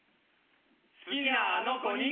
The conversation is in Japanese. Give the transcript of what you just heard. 好きなあの子に。